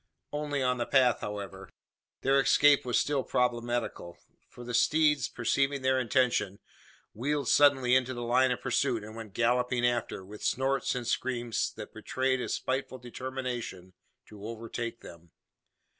Only on the path, however. Their escape was still problematical: for the steeds, perceiving their intention, wheeled suddenly into the line of pursuit, and went galloping after, with snorts and screams that betrayed a spiteful determination to overtake them.